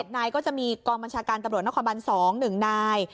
๗นายก็จะมีกองบัญชาการตำรวจนครบัน๒๑นาย